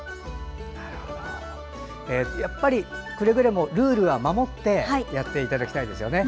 くれぐれもルールは守ってやっていただきたいですね。